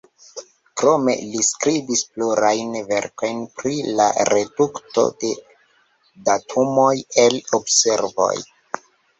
Krome, li skribis plurajn verkojn pri la redukto de datumoj el observoj.